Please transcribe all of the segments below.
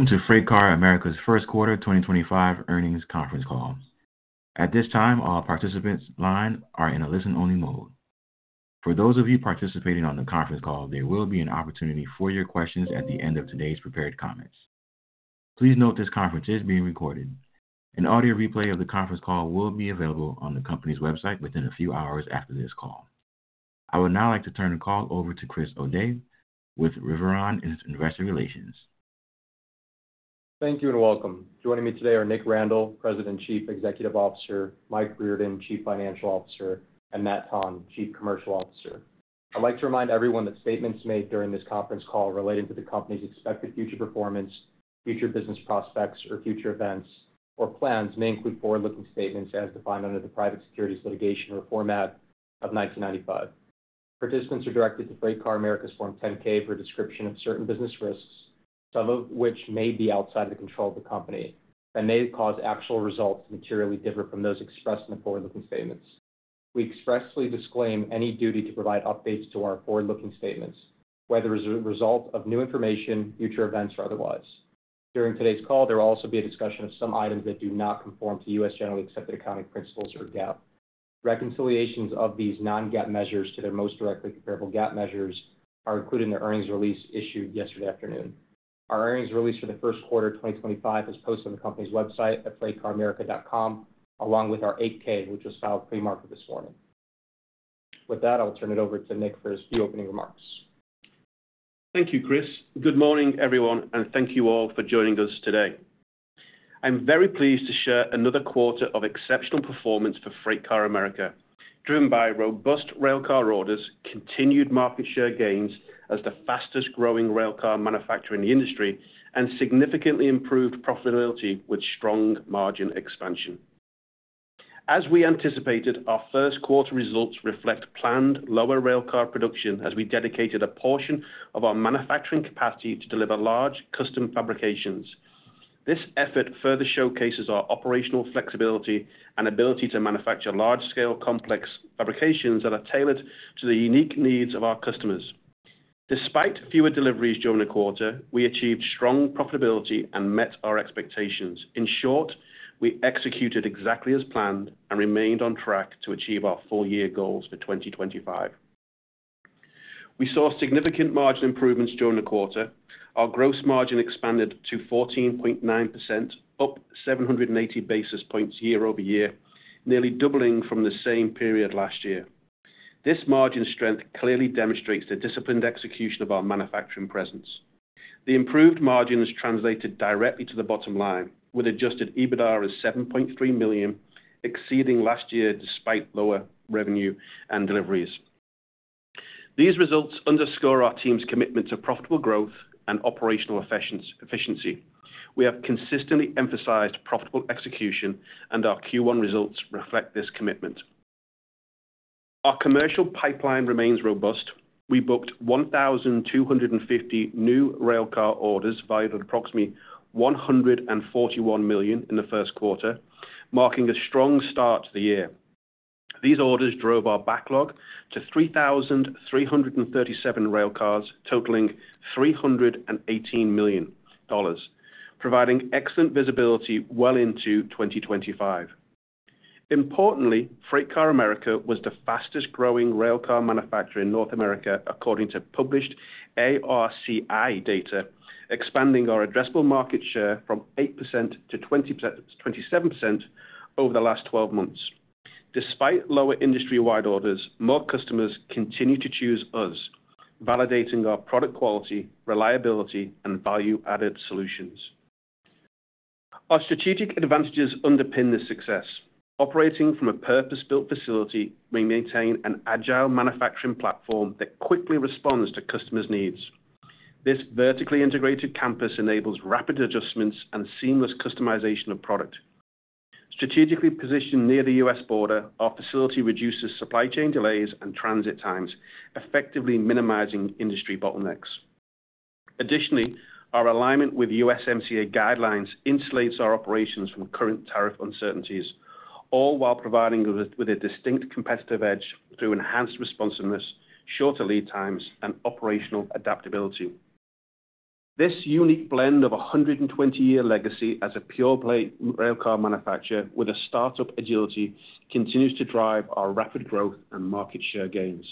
Welcome to FreightCar America's first quarter 2025 earnings conference call. At this time, all participants' lines are in a listen-only mode. For those of you participating on the conference call, there will be an opportunity for your questions at the end of today's prepared comments. Please note this conference is being recorded. An audio replay of the conference call will be available on the company's website within a few hours after this call. I would now like to turn the call over to Chris Odeh with Riveron Investor Relations. Thank you and welcome. Joining me today are Nick Randall, President and Chief Executive Officer; Mike Riordan, Chief Financial Officer; and Matt Tonn, Chief Commercial Officer. I'd like to remind everyone that statements made during this conference call relating to the company's expected future performance, future business prospects, or future events or plans may include forward-looking statements as defined under the Private Securities Litigation Reform Act of 1995. Participants are directed to FreightCar America's Form 10-K for a description of certain business risks, some of which may be outside of the control of the company and may cause actual results to materially differ from those expressed in the forward-looking statements. We expressly disclaim any duty to provide updates to our forward-looking statements, whether as a result of new information, future events, or otherwise. During today's call, there will also be a discussion of some items that do not conform to U.S. generally accepted accounting principles or GAAP. Reconciliations of these non-GAAP measures to their most directly comparable GAAP measures are included in the earnings release issued yesterday afternoon. Our earnings release for the first quarter of 2025 is posted on the company's website at freightcaramerica.com, along with our 8-K, which was filed pre-market this morning. With that, I'll turn it over to Nick for his few opening remarks. Thank you, Chris. Good morning, everyone, and thank you all for joining us today. I'm very pleased to share another quarter of exceptional performance for FreightCar America, driven by robust railcar orders, continued market share gains as the fastest-growing railcar manufacturer in the industry, and significantly improved profitability with strong margin expansion. As we anticipated, our first quarter results reflect planned lower railcar production as we dedicated a portion of our manufacturing capacity to deliver large custom fabrications. This effort further showcases our operational flexibility and ability to manufacture large-scale, complex fabrications that are tailored to the unique needs of our customers. Despite fewer deliveries during the quarter, we achieved strong profitability and met our expectations. In short, we executed exactly as planned and remained on track to achieve our full-year goals for 2025. We saw significant margin improvements during the quarter. Our gross margin expanded to 14.9%, up 780 basis points year-over-year, nearly doubling from the same period last year. This margin strength clearly demonstrates the disciplined execution of our manufacturing presence. The improved margins translated directly to the bottom line, with adjusted EBITDA at $7.3 million, exceeding last year despite lower revenue and deliveries. These results underscore our team's commitment to profitable growth and operational efficiency. We have consistently emphasized profitable execution, and our Q1 results reflect this commitment. Our commercial pipeline remains robust. We booked 1,250 new railcar orders valued at approximately $141 million in the first quarter, marking a strong start to the year. These orders drove our backlog to 3,337 railcars, totaling $318 million, providing excellent visibility well into 2025. Importantly, FreightCar America was the fastest-growing railcar manufacturer in North America, according to published ARCI data, expanding our addressable market share from 8% to 27% over the last 12 months. Despite lower industry-wide orders, more customers continue to choose us, validating our product quality, reliability, and value-added solutions. Our strategic advantages underpin this success. Operating from a purpose-built facility, we maintain an agile manufacturing platform that quickly responds to customers' needs. This vertically integrated campus enables rapid adjustments and seamless customization of product. Strategically positioned near the U.S. border, our facility reduces supply chain delays and transit times, effectively minimizing industry bottlenecks. Additionally, our alignment with USMCA guidelines insulates our operations from current tariff uncertainties, all while providing us with a distinct competitive edge through enhanced responsiveness, shorter lead times, and operational adaptability. This unique blend of a 120-year legacy as a pure-play railcar manufacturer with a startup agility continues to drive our rapid growth and market share gains.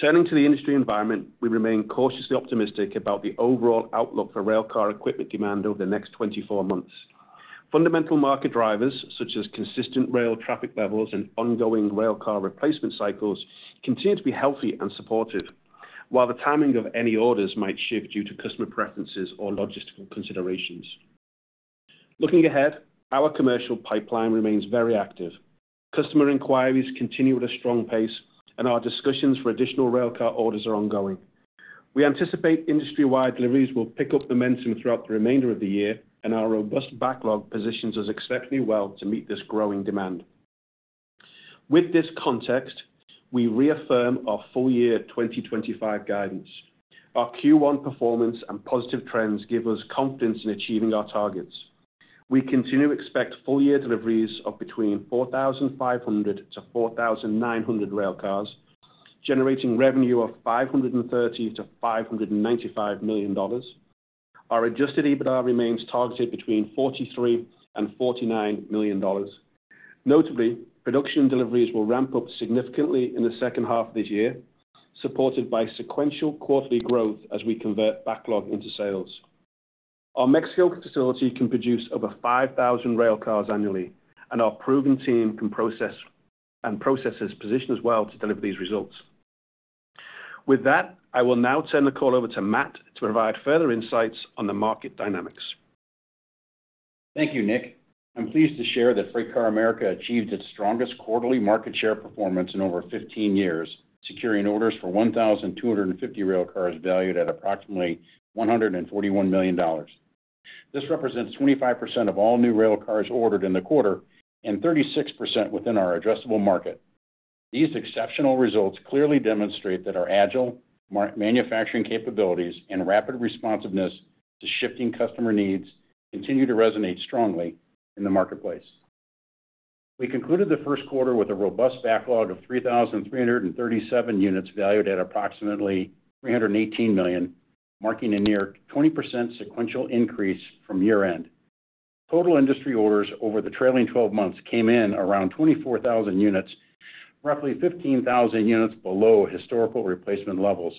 Turning to the industry environment, we remain cautiously optimistic about the overall outlook for railcar equipment demand over the next 24 months. Fundamental market drivers, such as consistent rail traffic levels and ongoing railcar replacement cycles, continue to be healthy and supportive, while the timing of any orders might shift due to customer preferences or logistical considerations. Looking ahead, our commercial pipeline remains very active. Customer inquiries continue at a strong pace, and our discussions for additional railcar orders are ongoing. We anticipate industry-wide deliveries will pick up momentum throughout the remainder of the year, and our robust backlog positions us exceptionally well to meet this growing demand. With this context, we reaffirm our full-year 2025 guidance. Our Q1 performance and positive trends give us confidence in achieving our targets. We continue to expect full-year deliveries of between 4,500-4,900 railcars, generating revenue of $530 million-$595 million. Our adjusted EBITDA remains targeted between $43 million-$49 million. Notably, production deliveries will ramp up significantly in the second half of this year, supported by sequential quarterly growth as we convert backlog into sales. Our Mexico facility can produce over 5,000 railcars annually, and our proven team can process and position as well to deliver these results. With that, I will now turn the call over to Matt to provide further insights on the market dynamics. Thank you, Nick. I'm pleased to share that FreightCar America achieved its strongest quarterly market share performance in over 15 years, securing orders for 1,250 railcars valued at approximately $141 million. This represents 25% of all new railcars ordered in the quarter and 36% within our addressable market. These exceptional results clearly demonstrate that our agile manufacturing capabilities and rapid responsiveness to shifting customer needs continue to resonate strongly in the marketplace. We concluded the first quarter with a robust backlog of 3,337 units valued at approximately $318 million, marking a near 20% sequential increase from year-end. Total industry orders over the trailing 12 months came in around 24,000 units, roughly 15,000 units below historical replacement levels.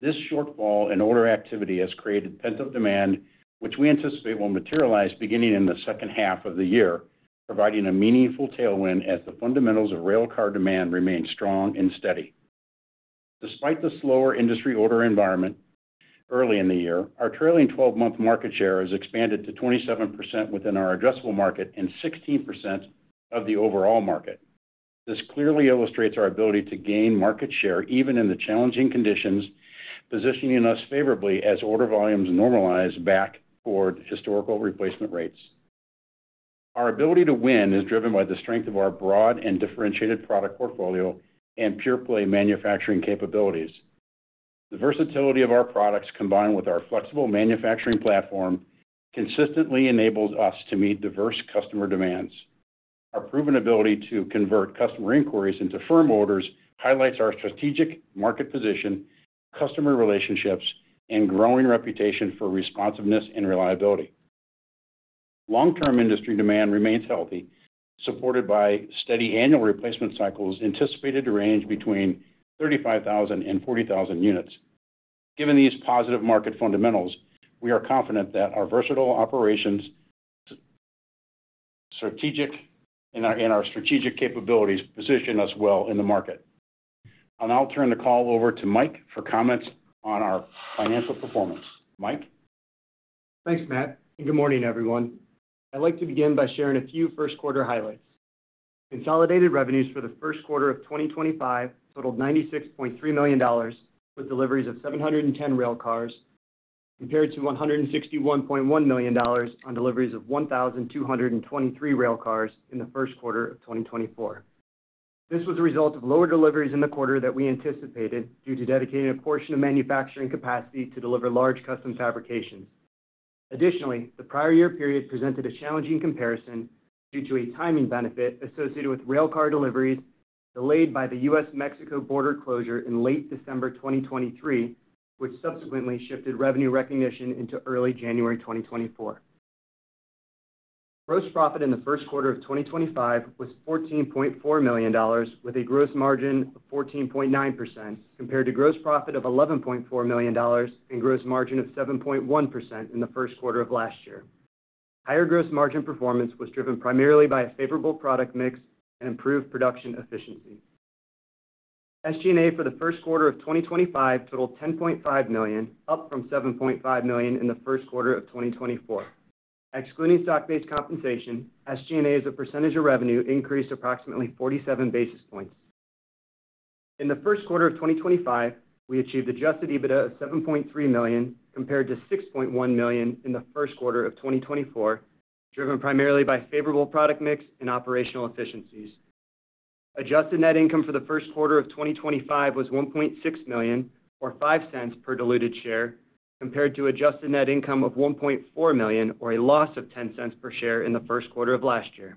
This shortfall in order activity has created pent-up demand, which we anticipate will materialize beginning in the second half of the year, providing a meaningful tailwind as the fundamentals of railcar demand remain strong and steady. Despite the slower industry order environment early in the year, our trailing 12-month market share has expanded to 27% within our addressable market and 16% of the overall market. This clearly illustrates our ability to gain market share even in the challenging conditions, positioning us favorably as order volumes normalize back toward historical replacement rates. Our ability to win is driven by the strength of our broad and differentiated product portfolio and pure-play manufacturing capabilities. The versatility of our products, combined with our flexible manufacturing platform, consistently enables us to meet diverse customer demands. Our proven ability to convert customer inquiries into firm orders highlights our strategic market position, customer relationships, and growing reputation for responsiveness and reliability. Long-term industry demand remains healthy, supported by steady annual replacement cycles anticipated to range between 35,000 and 40,000 units. Given these positive market fundamentals, we are confident that our versatile operations and our strategic capabilities position us well in the market. I will turn the call over to Mike for comments on our financial performance. Mike. Thanks, Matt. Good morning, everyone. I'd like to begin by sharing a few first-quarter highlights. Consolidated revenues for the first quarter of 2025 totaled $96.3 million, with deliveries of 710 railcars, compared to $161.1 million on deliveries of 1,223 railcars in the first quarter of 2024. This was a result of lower deliveries in the quarter that we anticipated due to dedicating a portion of manufacturing capacity to deliver large custom fabrications. Additionally, the prior year period presented a challenging comparison due to a timing benefit associated with railcar deliveries delayed by the U.S.-Mexico border closure in late December 2023, which subsequently shifted revenue recognition into early January 2024. Gross profit in the first quarter of 2025 was $14.4 million, with a gross margin of 14.9%, compared to gross profit of $11.4 million and gross margin of 7.1% in the first quarter of last year. Higher gross margin performance was driven primarily by a favorable product mix and improved production efficiency. SG&A for the first quarter of 2025 totaled $10.5 million, up from $7.5 million in the first quarter of 2024. Excluding stock-based compensation, SG&A's percentage of revenue increased approximately 47 basis points. In the first quarter of 2025, we achieved adjusted EBITDA of $7.3 million, compared to $6.1 million in the first quarter of 2024, driven primarily by favorable product mix and operational efficiencies. Adjusted net income for the first quarter of 2025 was $1.6 million, or $0.05 per diluted share, compared to adjusted net income of $1.4 million, or a loss of $0.10 per share in the first quarter of last year.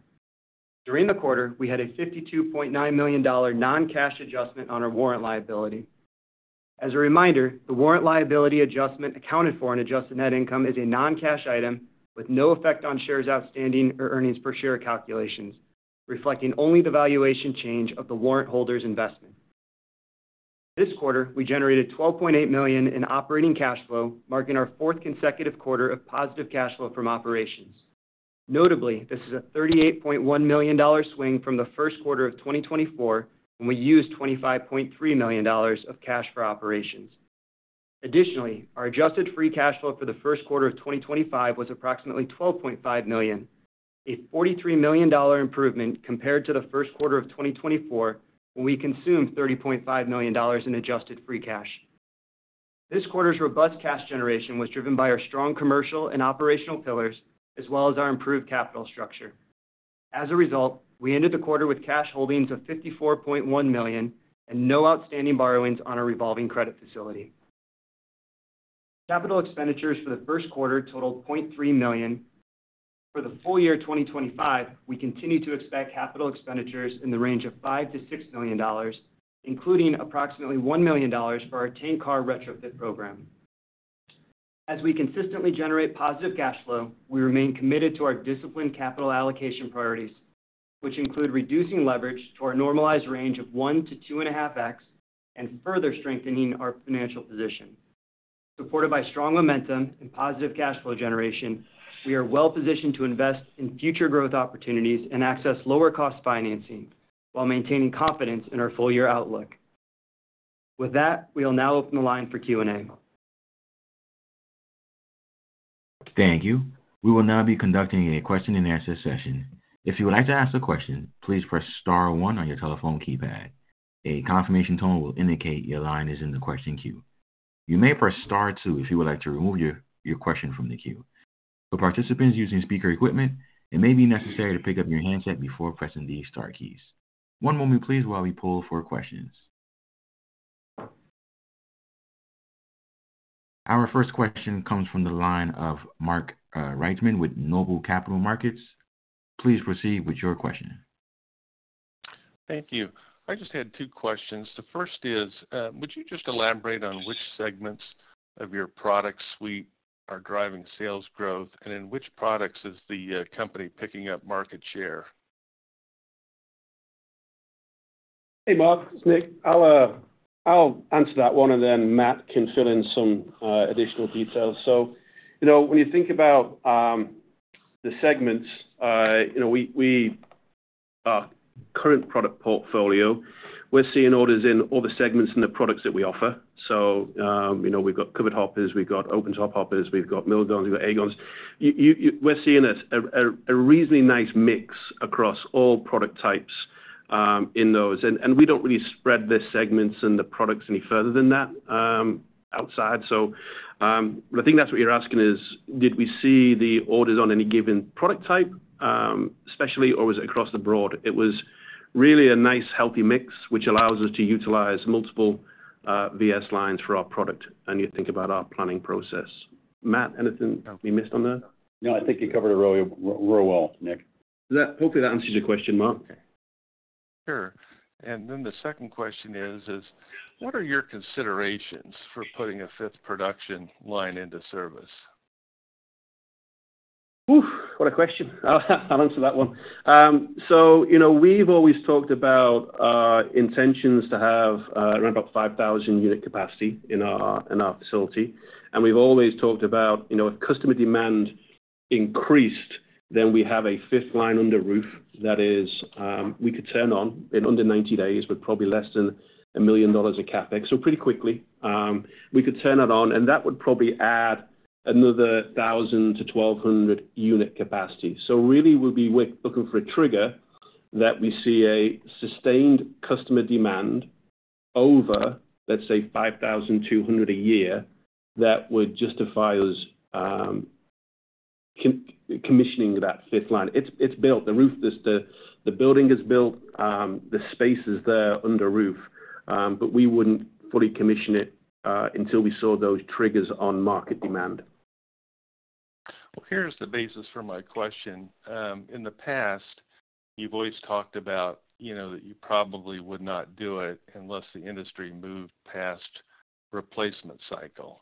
During the quarter, we had a $52.9 million non-cash adjustment on our warrant liability. As a reminder, the warrant liability adjustment accounted for in adjusted net income is a non-cash item with no effect on shares outstanding or earnings per share calculations, reflecting only the valuation change of the warrant holder's investment. This quarter, we generated $12.8 million in operating cash flow, marking our fourth consecutive quarter of positive cash flow from operations. Notably, this is a $38.1 million swing from the first quarter of 2024, when we used $25.3 million of cash for operations. Additionally, our adjusted free cash flow for the first quarter of 2025 was approximately $12.5 million, a $43 million improvement compared to the first quarter of 2024, when we consumed $30.5 million in adjusted free cash. This quarter's robust cash generation was driven by our strong commercial and operational pillars, as well as our improved capital structure. As a result, we ended the quarter with cash holdings of $54.1 million and no outstanding borrowings on our revolving credit facility. Capital expenditures for the first quarter totaled $0.3 million. For the full year 2025, we continue to expect capital expenditures in the range of $5 million-$6 million, including approximately $1 million for our tank car retrofit program. As we consistently generate positive cash flow, we remain committed to our disciplined capital allocation priorities, which include reducing leverage to our normalized range of 1-2.5x and further strengthening our financial position. Supported by strong momentum and positive cash flow generation, we are well-positioned to invest in future growth opportunities and access lower-cost financing while maintaining confidence in our full-year outlook. With that, we will now open the line for Q&A. Thank you. We will now be conducting a question-and-answer session. If you would like to ask a question, please press Star 1 on your telephone keypad. A confirmation tone will indicate your line is in the question queue. You may press Star 2 if you would like to remove your question from the queue. For participants using speaker equipment, it may be necessary to pick up your handset before pressing the Star keys. One moment, please, while we pull for questions. Our first question comes from the line of Mark Reichman with Noble Capital Markets. Please proceed with your question. Thank you. I just had two questions. The first is, would you just elaborate on which segments of your product suite are driving sales growth, and in which products is the company picking up market share? Hey, Mark. It's Nick. I'll answer that one, and then Matt can fill in some additional details. When you think about the segments, our current product portfolio, we're seeing orders in all the segments and the products that we offer. We've got covered hoppers, we've got open-top hoppers, we've got mill gondolas, we've got agones. We're seeing a reasonably nice mix across all product types in those. We don't really spread the segments and the products any further than that outside. I think that's what you're asking is, did we see the orders on any given product type especially, or was it across the broad? It was really a nice, healthy mix, which allows us to utilize multiple VS lines for our product and you think about our planning process. Matt, anything we missed on there? No, I think you covered it really well, Nick. Hopefully, that answers your question, Mark. Sure. The second question is, what are your considerations for putting a fifth production line into service? What a question. I'll answer that one. We've always talked about intentions to have around about 5,000 unit capacity in our facility. We've always talked about if customer demand increased, then we have a fifth line under roof that we could turn on in under 90 days with probably less than $1 million of CapEx. Pretty quickly, we could turn that on, and that would probably add another 1,000-1,200 unit capacity. Really, we'll be looking for a trigger that we see a sustained customer demand over, let's say, 5,200 a year that would justify us commissioning that fifth line. It's built. The roof is, the building is built. The space is there under roof, but we wouldn't fully commission it until we saw those triggers on market demand. Here's the basis for my question. In the past, you've always talked about that you probably would not do it unless the industry moved past replacement cycle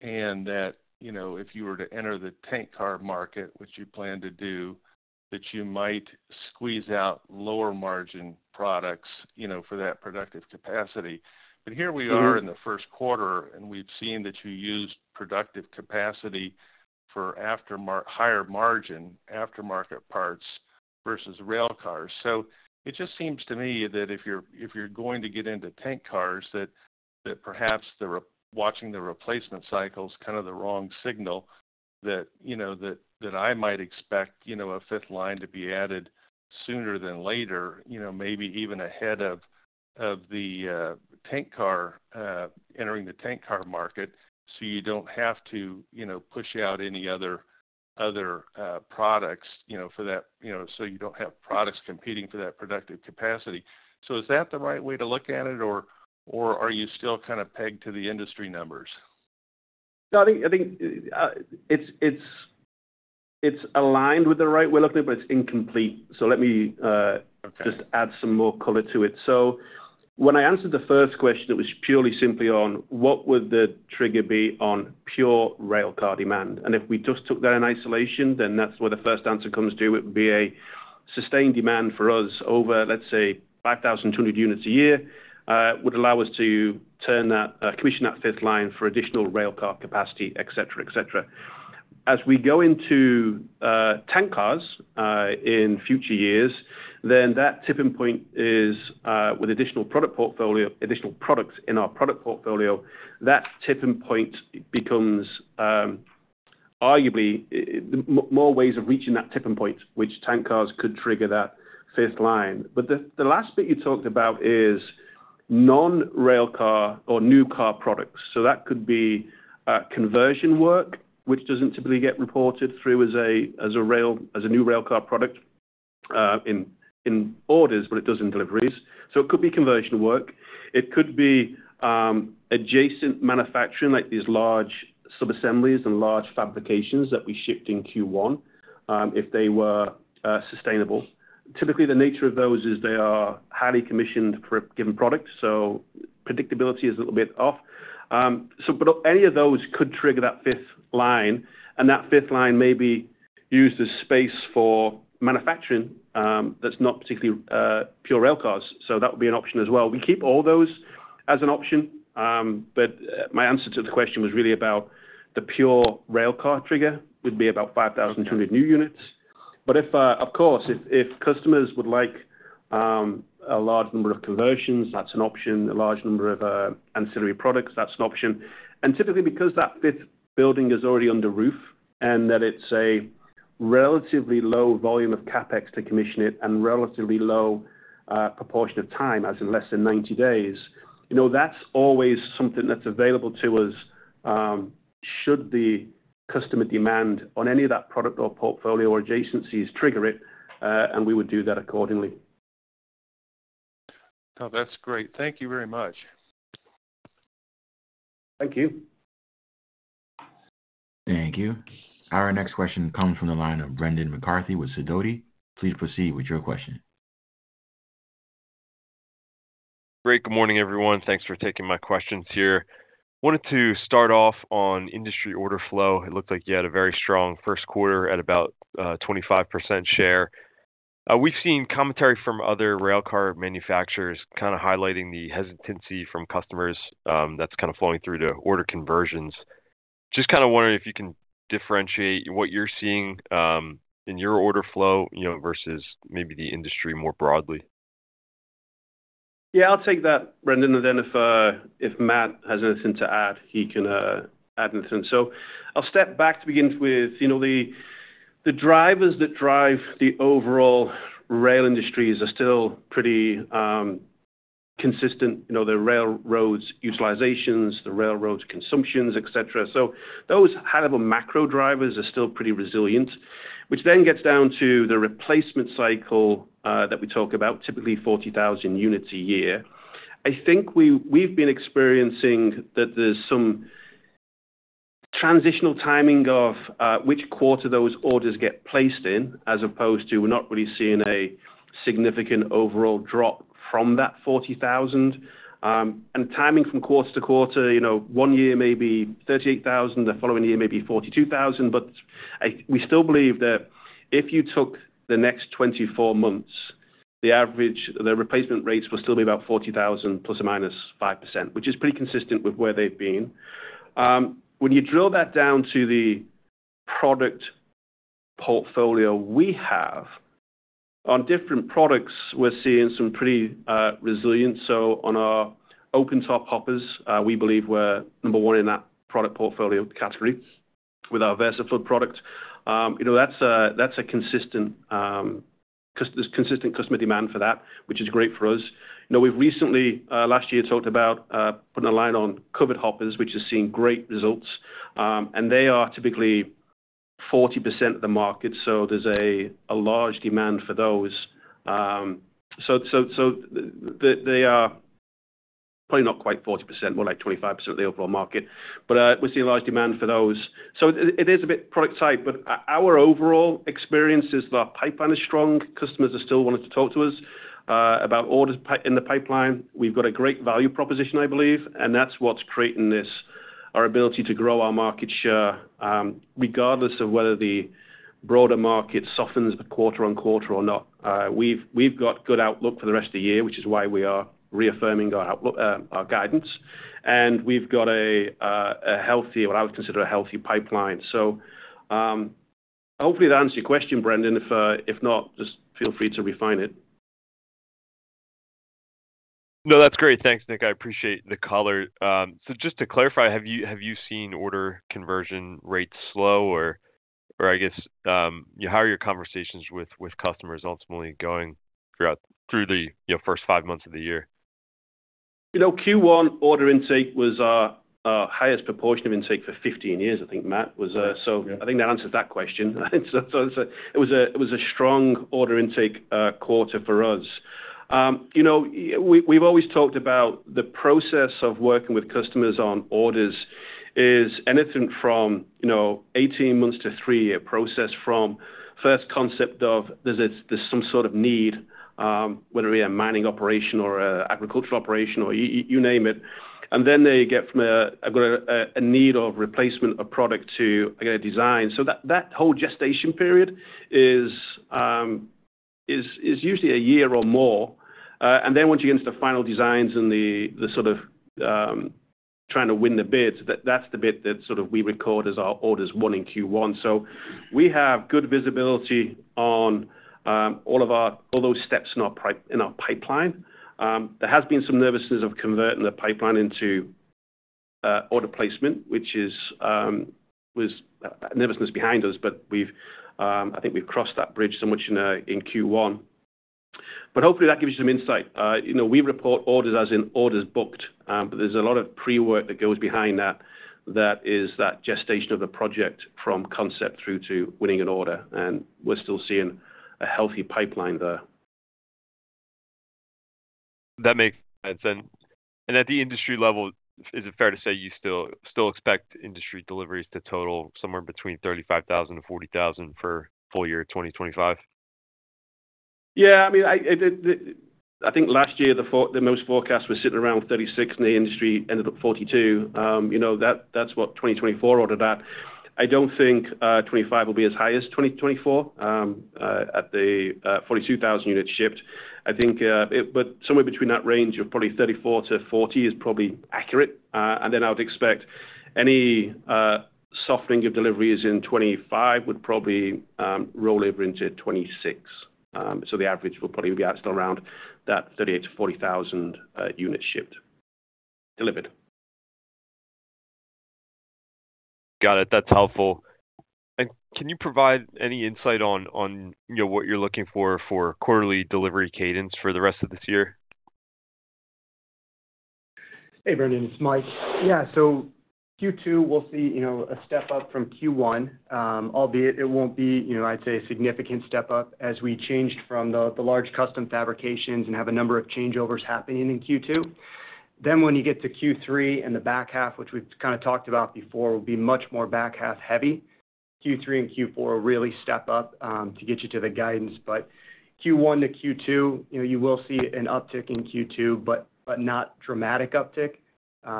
and that if you were to enter the tank car market, which you plan to do, that you might squeeze out lower-margin products for that productive capacity. Here we are in the first quarter, and we've seen that you used productive capacity for higher-margin aftermarket parts versus railcars. It just seems to me that if you're going to get into tank cars, that perhaps watching the replacement cycle is kind of the wrong signal. I might expect a fifth line to be added sooner than later, maybe even ahead of entering the tank car market, so you don't have to push out any other products for that, so you don't have products competing for that productive capacity. Is that the right way to look at it, or are you still kind of pegged to the industry numbers? I think it's aligned with the right way to look at it, but it's incomplete. Let me just add some more color to it. When I answered the first question, it was purely simply on what would the trigger be on pure railcar demand. If we just took that in isolation, then that's where the first answer comes to. It would be a sustained demand for us over, let's say, 5,200 units a year would allow us to commission that fifth line for additional railcar capacity, etc., etc. As we go into tank cars in future years, that tipping point is with additional product portfolio, additional products in our product portfolio. That tipping point becomes arguably more ways of reaching that tipping point, which tank cars could trigger that fifth line. The last bit you talked about is non-railcar or new car products. That could be conversion work, which does not typically get reported through as a new railcar product in orders, but it does in deliveries. It could be conversion work. It could be adjacent manufacturing, like these large sub-assemblies and large fabrications that we shipped in Q1 if they were sustainable. Typically, the nature of those is they are highly commissioned for a given product, so predictability is a little bit off. Any of those could trigger that fifth line, and that fifth line may be used as space for manufacturing that is not particularly pure railcars. That would be an option as well. We keep all those as an option, but my answer to the question was really about the pure railcar trigger would be about 5,200 new units. Of course, if customers would like a large number of conversions, that is an option. A large number of ancillary products, that's an option. Typically, because that fifth building is already under roof and that it's a relatively low volume of CapEx to commission it and relatively low proportion of time, as in less than 90 days, that's always something that's available to us should the customer demand on any of that product or portfolio or adjacencies trigger it, and we would do that accordingly. No, that's great. Thank you very much. Thank you. Thank you. Our next question comes from the line of Brendan McCarthy with Sidoti. Please proceed with your question. Great. Good morning, everyone. Thanks for taking my questions here. Wanted to start off on industry order flow. It looked like you had a very strong first quarter at about 25% share. We've seen commentary from other railcar manufacturers kind of highlighting the hesitancy from customers that's kind of flowing through to order conversions. Just kind of wondering if you can differentiate what you're seeing in your order flow versus maybe the industry more broadly. Yeah, I'll take that, Brendan. And then if Matt has anything to add, he can add anything. I'll step back to begin with. The drivers that drive the overall rail industry are still pretty consistent. The railroads' utilizations, the railroads' consumptions, etc. Those high-level macro drivers are still pretty resilient, which then gets down to the replacement cycle that we talk about, typically 40,000 units a year. I think we've been experiencing that there's some transitional timing of which quarter those orders get placed in as opposed to we're not really seeing a significant overall drop from that 40,000. Timing from quarter to quarter, one year may be 38,000, the following year may be 42,000. We still believe that if you took the next 24 months, the replacement rates will still be about 40,000 ±5%, which is pretty consistent with where they've been. When you drill that down to the product portfolio we have, on different products, we're seeing some pretty resilience. On our open-top hoppers, we believe we're number one in that product portfolio category with our VersaFlood product. That's a consistent customer demand for that, which is great for us. We've recently, last year, talked about putting a line on covered hoppers, which has seen great results. They are typically 40% of the market, so there's a large demand for those. They are probably not quite 40%, more like 25% of the overall market. We're seeing large demand for those. It is a bit product-type, but our overall experience is the pipeline is strong. Customers are still wanting to talk to us about orders in the pipeline. We've got a great value proposition, I believe, and that's what's creating our ability to grow our market share regardless of whether the broader market softens quarter on quarter or not. We've got good outlook for the rest of the year, which is why we are reaffirming our guidance. We've got a healthy, what I would consider a healthy pipeline. Hopefully, that answers your question, Brendan. If not, just feel free to refine it. No, that's great. Thanks, Nick. I appreciate the color. So just to clarify, have you seen order conversion rates slow or, I guess, how are your conversations with customers ultimately going throughout the first five months of the year? Q1 order intake was our highest proportion of intake for 15 years, I think, Matt was. I think that answers that question. It was a strong order intake quarter for us. We've always talked about the process of working with customers on orders is anything from 18 months to three-year process from first concept of there's some sort of need, whether we have mining operation or agricultural operation or you name it. They get from a, "I've got a need of replacement of product to, I've got a design." That whole gestation period is usually a year or more. Once you get into the final designs and the sort of trying to win the bids, that's the bit that we record as our orders won in Q1. We have good visibility on all of those steps in our pipeline. There has been some nervousness of converting the pipeline into order placement, which was nervousness behind us, but I think we've crossed that bridge so much in Q1. Hopefully, that gives you some insight. We report orders as in orders booked, but there's a lot of pre-work that goes behind that. That is that gestation of the project from concept through to winning an order. We're still seeing a healthy pipeline there. That makes sense. At the industry level, is it fair to say you still expect industry deliveries to total somewhere between 35,000 and 40,000 for full year 2025? Yeah. I mean, I think last year the most forecast was sitting around 36, and the industry ended up 42. That's what 2024 ordered at. I don't think 2025 will be as high as 2024 at the 42,000 units shipped. I think somewhere between that range of probably 34-40 is probably accurate. I would expect any softening of deliveries in 2025 would probably roll over into 2026. The average will probably be still around that 38,000-40,000 units shipped, delivered. Got it. That's helpful. Can you provide any insight on what you're looking for for quarterly delivery cadence for the rest of this year? Hey, Brendan. It's Mike. Yeah. Q2, we'll see a step up from Q1, albeit it won't be, I'd say, a significant step up as we changed from the large custom fabrications and have a number of changeovers happening in Q2. When you get to Q3 and the back half, which we've kind of talked about before, will be much more back half heavy. Q3 and Q4 will really step up to get you to the guidance. Q1 to Q2, you will see an uptick in Q2, but not dramatic uptick,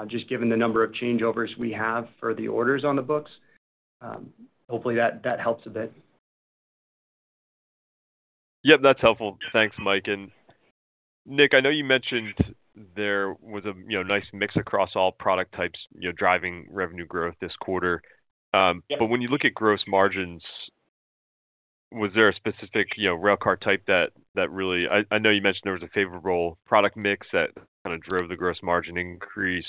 just given the number of changeovers we have for the orders on the books. Hopefully, that helps a bit. Yep, that's helpful. Thanks, Mike. And Nick, I know you mentioned there was a nice mix across all product types driving revenue growth this quarter. When you look at gross margins, was there a specific railcar type that really—I know you mentioned there was a favorable product mix that kind of drove the gross margin increase.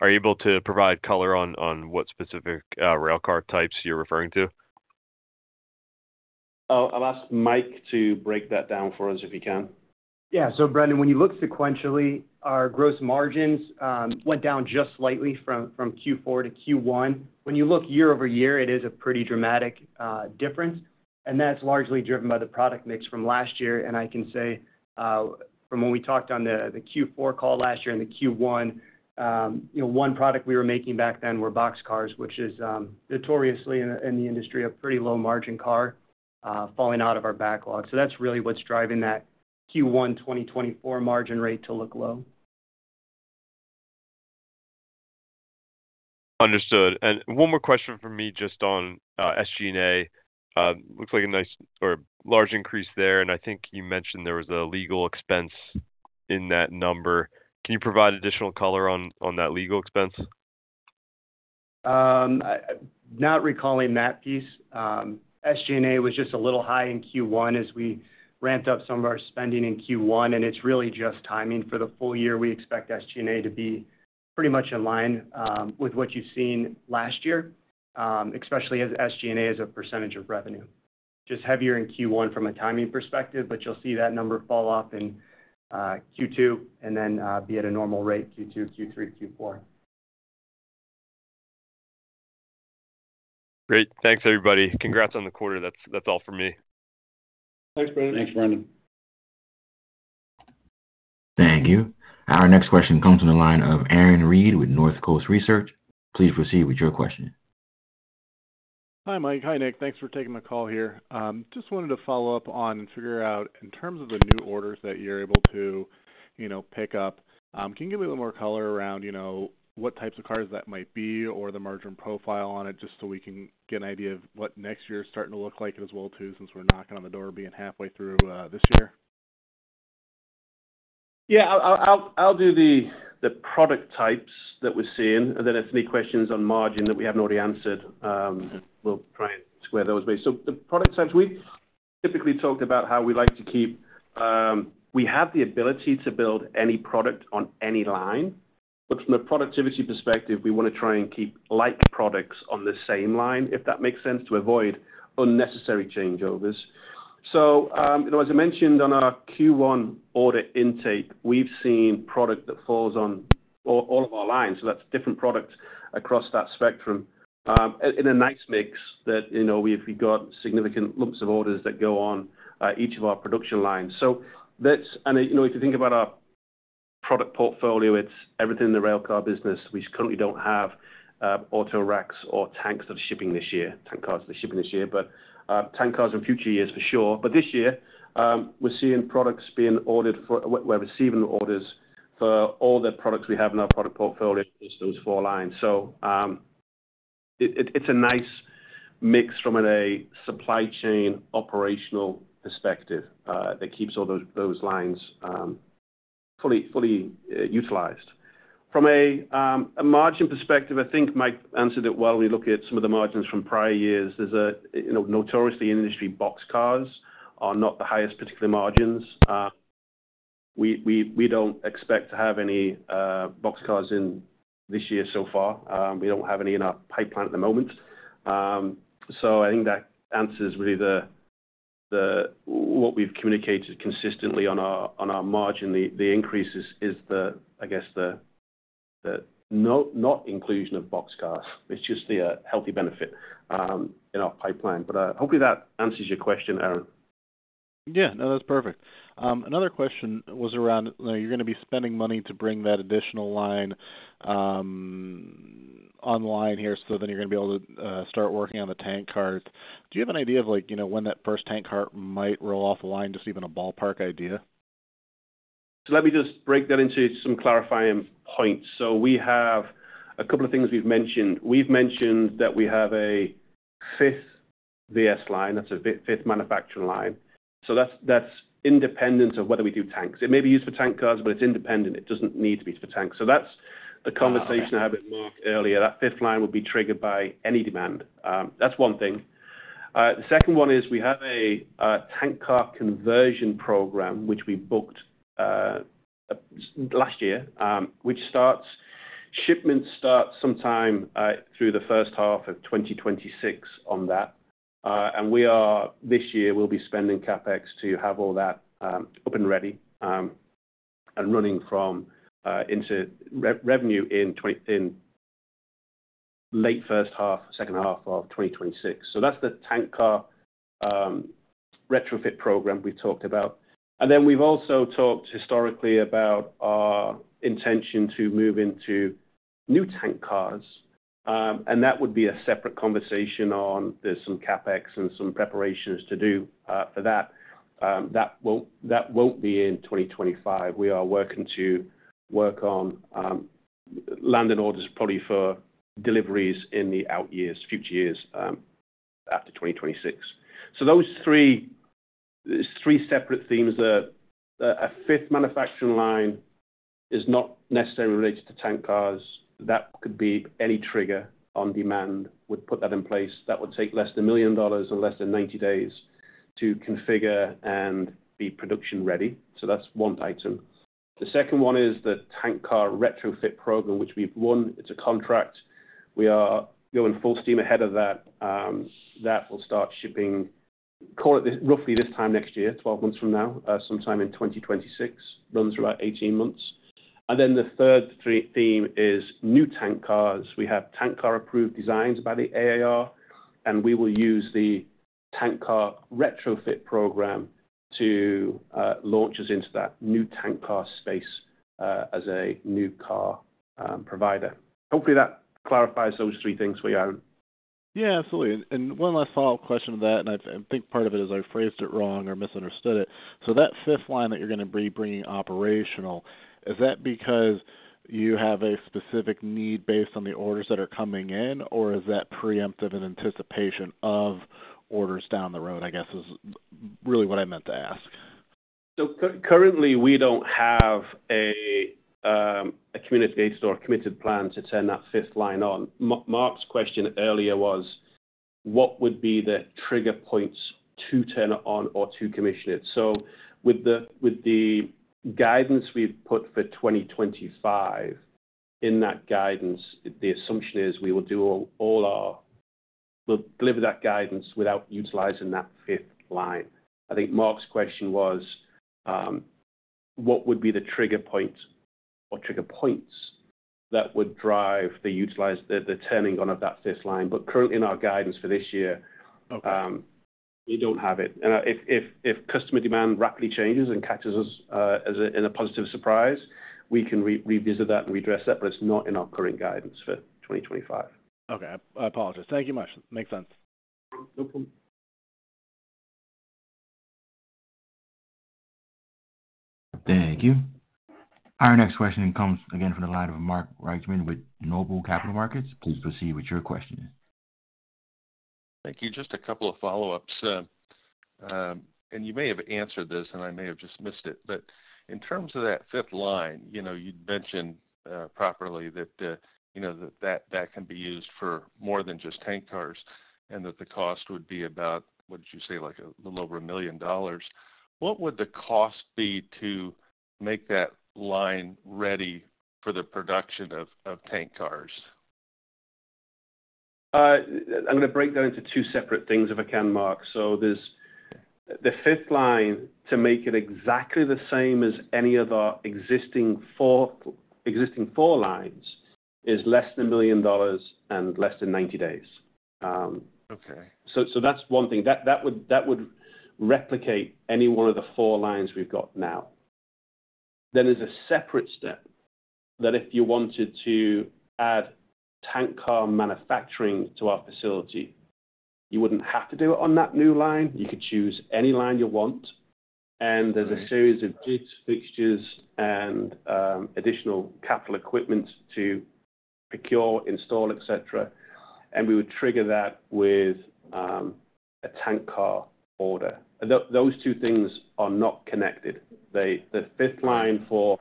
Are you able to provide color on what specific railcar types you're referring to? I'll ask Mike to break that down for us if he can. Yeah. So Brendan, when you look sequentially, our gross margins went down just slightly from Q4 to Q1. When you look year-over-year, it is a pretty dramatic difference. That is largely driven by the product mix from last year. I can say from when we talked on the Q4 call last year and the Q1, one product we were making back then were box cars, which is notoriously in the industry a pretty low-margin car falling out of our backlog. That is really what is driving that Q1 2024 margin rate to look low. Understood. One more question from me just on SG&A. Looks like a nice or large increase there. I think you mentioned there was a legal expense in that number. Can you provide additional color on that legal expense? Not recalling that piece. SG&A was just a little high in Q1 as we ramped up some of our spending in Q1. It is really just timing for the full year. We expect SG&A to be pretty much in line with what you have seen last year, especially as SG&A is a percentage of revenue. Just heavier in Q1 from a timing perspective, but you will see that number fall off in Q2 and then be at a normal rate Q2, Q3, Q4. Great. Thanks, everybody. Congrats on the quarter. That's all for me. Thanks, Brendan. Thanks, Brendan. Thank you. Our next question comes from the line of Aaron Reed with Northcoast Research. Please proceed with your question. Hi, Mike. Hi, Nick. Thanks for taking the call here. Just wanted to follow up on and figure out in terms of the new orders that you're able to pick up, can you give me a little more color around what types of cars that might be or the margin profile on it just so we can get an idea of what next year is starting to look like as well too since we're knocking on the door being halfway through this year? Yeah. I'll do the product types that we're seeing. And then if any questions on margin that we haven't already answered, we'll try and square those ways. The product types, we've typically talked about how we like to keep we have the ability to build any product on any line. But from a productivity perspective, we want to try and keep like products on the same line, if that makes sense, to avoid unnecessary changeovers. As I mentioned on our Q1 order intake, we've seen product that falls on all of our lines. That is different products across that spectrum in a nice mix that we've got significant lumps of orders that go on each of our production lines. If you think about our product portfolio, it's everything in the railcar business. We currently do not have auto racks or tank cars that are shipping this year, but tank cars in future years for sure. This year, we are seeing products being ordered for, we are receiving orders for all the products we have in our product portfolio across those four lines. It is a nice mix from a supply chain operational perspective that keeps all those lines fully utilized. From a margin perspective, I think Mike answered it well when you look at some of the margins from prior years. Notoriously, industry box cars are not the highest particular margins. We do not expect to have any box cars in this year so far. We do not have any in our pipeline at the moment. I think that answers really what we have communicated consistently on our margin. The increase is, I guess, the not inclusion of box cars. It's just a healthy benefit in our pipeline. Hopefully, that answers your question, Aaron. Yeah. No, that's perfect. Another question was around you're going to be spending money to bring that additional line online here, so then you're going to be able to start working on the tank car. Do you have an idea of when that first tank car might roll off the line? Just even a ballpark idea. Let me just break that into some clarifying points. We have a couple of things we've mentioned. We've mentioned that we have a fifth VS line. That's a fifth manufacturing line. That's independent of whether we do tanks. It may be used for tank cars, but it's independent. It doesn't need to be for tanks. That's the conversation I had with Mark earlier. That fifth line would be triggered by any demand. That's one thing. The second one is we have a tank car conversion program, which we booked last year, which shipment starts sometime through the first half of 2026 on that. This year, we'll be spending CapEx to have all that up and ready and running into revenue in late first half, second half of 2026. That's the tank car retrofit program we've talked about. We have also talked historically about our intention to move into new tank cars. That would be a separate conversation, as there is some CapEx and some preparations to do for that. That will not be in 2025. We are working to land orders probably for deliveries in the out years, future years after 2026. Those are three separate themes. A fifth manufacturing line is not necessarily related to tank cars. That could be any trigger on demand. We would put that in place. That would take less than $1 million and less than 90 days to configure and be production ready. That is one item. The second one is the tank car retrofit program, which we have won. It is a contract. We are going full steam ahead on that. That will start shipping, call it roughly this time next year, 12 months from now, sometime in 2026. Runs for about 18 months. The third theme is new tank cars. We have tank car approved designs by the AAR, and we will use the tank car retrofit program to launch us into that new tank car space as a new car provider. Hopefully, that clarifies those three things for you, Aaron. Yeah, absolutely. One last follow-up question to that, and I think part of it is I phrased it wrong or misunderstood it. That fifth line that you're going to be bringing operational, is that because you have a specific need based on the orders that are coming in, or is that preemptive in anticipation of orders down the road, I guess, is really what I meant to ask. Currently, we do not have a community-based or committed plan to turn that fifth line on. Mark's question earlier was, what would be the trigger points to turn it on or to commission it? With the guidance we have put for 2025, in that guidance, the assumption is we will deliver that guidance without utilizing that fifth line. I think Mark's question was, what would be the trigger points or trigger points that would drive the turning on of that fifth line? Currently, in our guidance for this year, we do not have it. If customer demand rapidly changes and catches us in a positive surprise, we can revisit that and redress that, but it is not in our current guidance for 2025. Okay. I apologize. Thank you much. Makes sense. No problem. Thank you. Our next question comes again from the line of Mark Reichman with Noble Capital Markets. Please proceed with your question. Thank you. Just a couple of follow-ups. You may have answered this, and I may have just missed it. In terms of that fifth line, you mentioned properly that that can be used for more than just tank cars and that the cost would be about, what did you say, a little over $1 million. What would the cost be to make that line ready for the production of tank cars? I'm going to break that into two separate things if I can, Mark. The fifth line to make it exactly the same as any of our existing four lines is less than $1 million and less than 90 days. That is one thing. That would replicate any one of the four lines we've got now. There is a separate step that if you wanted to add tank car manufacturing to our facility, you would not have to do it on that new line. You could choose any line you want. There is a series of jigs, fixtures, and additional capital equipment to procure, install, etc. We would trigger that with a tank car order. Those two things are not connected. The fifth line for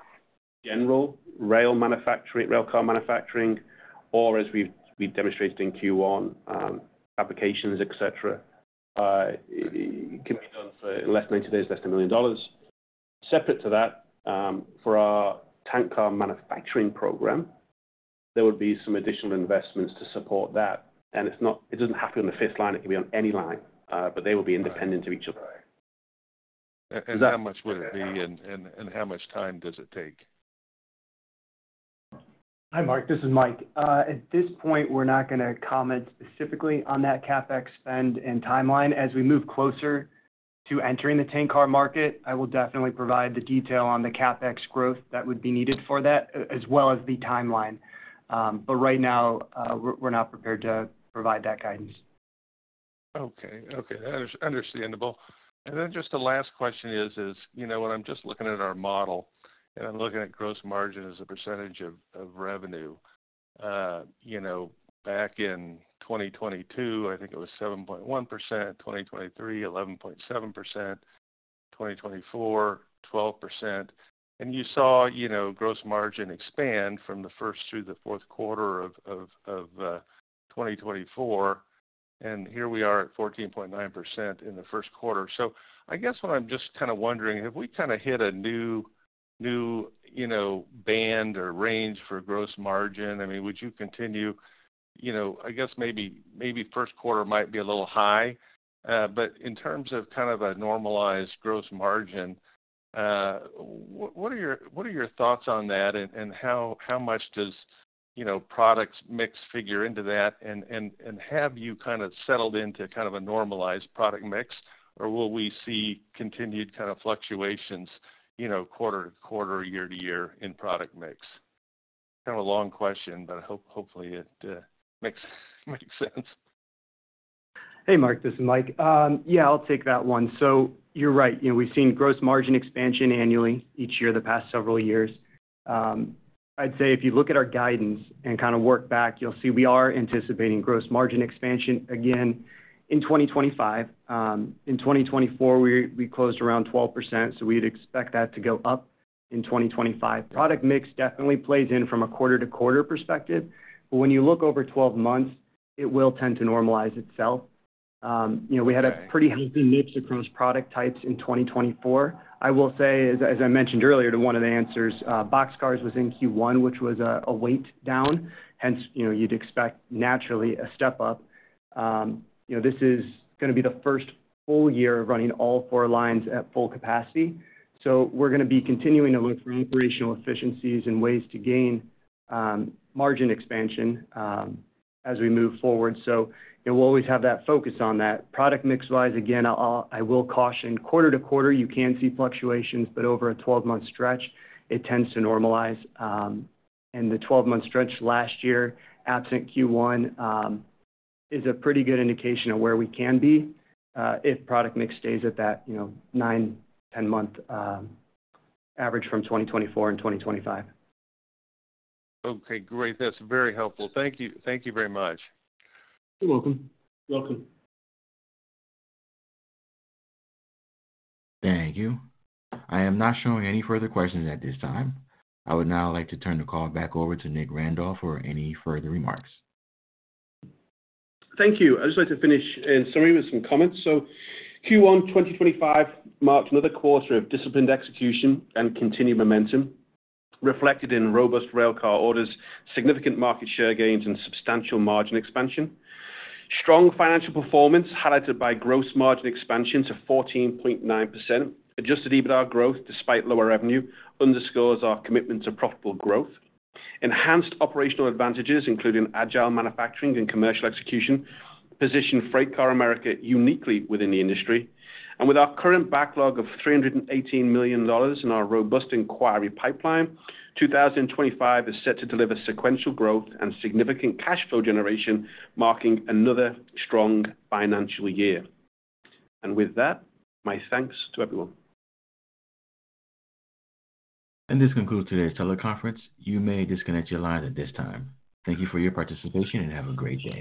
general railcar manufacturing, or as we demonstrated in Q1, applications, etc., can be done for less than 90 days, less than $1 million. Separate to that, for our tank car manufacturing program, there would be some additional investments to support that. It does not happen on the fifth line. It can be on any line, but they will be independent of each other. How much would it be, and how much time does it take? Hi, Mark. This is Mike. At this point, we're not going to comment specifically on that CapEx spend and timeline. As we move closer to entering the tank car market, I will definitely provide the detail on the CapEx growth that would be needed for that, as well as the timeline. Right now, we're not prepared to provide that guidance. Okay. Okay. Understandable. And then just the last question is, when I'm just looking at our model and I'm looking at gross margin as a percentage of revenue, back in 2022, I think it was 7.1%, 2023, 11.7%, 2024, 12%. And you saw gross margin expand from the first through the fourth quarter of 2024. And here we are at 14.9% in the first quarter. So I guess what I'm just kind of wondering, have we kind of hit a new band or range for gross margin? I mean, would you continue? I guess maybe first quarter might be a little high. But in terms of kind of a normalized gross margin, what are your thoughts on that, and how much does product mix figure into that? Have you kind of settled into kind of a normalized product mix, or will we see continued kind of fluctuations quarter to quarter, year to year in product mix? Kind of a long question, but hopefully, it makes sense. Hey, Mark. This is Mike. Yeah, I'll take that one. You're right. We've seen gross margin expansion annually each year the past several years. I'd say if you look at our guidance and kind of work back, you'll see we are anticipating gross margin expansion again in 2025. In 2024, we closed around 12%, so we'd expect that to go up in 2025. Product mix definitely plays in from a quarter-to-quarter perspective. When you look over 12 months, it will tend to normalize itself. We had a pretty healthy mix across product types in 2024. I will say, as I mentioned earlier, one of the answers, box cars was in Q1, which was a weight down, hence you'd expect naturally a step up. This is going to be the first full year of running all four lines at full capacity. We're going to be continuing to look for operational efficiencies and ways to gain margin expansion as we move forward. We'll always have that focus on that. Product mix-wise, again, I will caution, quarter to quarter, you can see fluctuations, but over a 12-month stretch, it tends to normalize. The 12-month stretch last year, absent Q1, is a pretty good indication of where we can be if product mix stays at that 9-10 month average from 2024 and 2025. Okay. Great. That's very helpful. Thank you very much. You're welcome. You're welcome. Thank you. I am not showing any further questions at this time. I would now like to turn the call back over to Nick Randall for any further remarks. Thank you. I'd just like to finish in summary with some comments. Q1 2025 marked another quarter of disciplined execution and continued momentum reflected in robust railcar orders, significant market share gains, and substantial margin expansion. Strong financial performance highlighted by gross margin expansion to 14.9%. Adjusted EBITDA growth, despite lower revenue, underscores our commitment to profitable growth. Enhanced operational advantages, including agile manufacturing and commercial execution, position FreightCar America uniquely within the industry. With our current backlog of $318 million and our robust inquiry pipeline, 2025 is set to deliver sequential growth and significant cash flow generation, marking another strong financial year. My thanks to everyone. This concludes today's teleconference. You may disconnect your lines at this time. Thank you for your participation and have a great day.